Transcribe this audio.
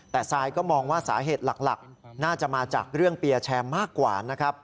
แต่ซายก็มองว่าสาเหตุหลักน่าจะมาจากเรื่องเปียร์แชร์มากกว่านะครับ